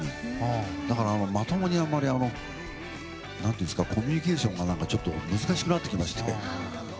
だから、まともにコミュニケーションがちょっと難しくなってきまして。